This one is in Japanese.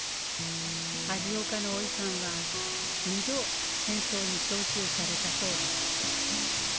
味岡のおいさんは２度戦争に召集されたそうです